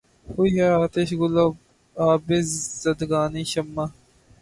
ہوئی ہے آتشِ گُل آبِ زندگانیِ شمع